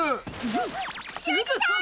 んっすずさん！